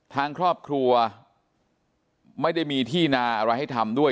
ทางครอบครัวไม่ได้มีที่นาอะไรให้ทำด้วย